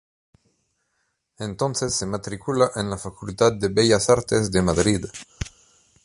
Entonces se matricula en la Facultad de Bellas Artes de Madrid.